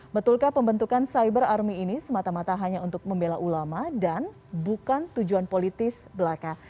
betulkah pembentukan cyber army ini semata mata hanya untuk membela ulama dan bukan tujuan politis belaka